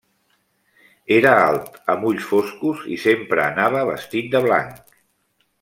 Era alt, amb ulls foscos, i sempre anava vestit de blanc.